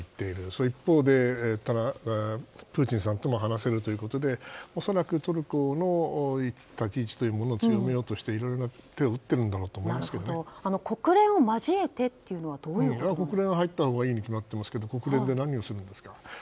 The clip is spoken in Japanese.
その一方でただ、プーチンさんとも話せるということで恐らくトルコの立ち位置というものを強めようといろいろ手を打っているんだと国連を交えてというのは国連は入ったほうがいいに決まっていますけど国連で何をするんですか。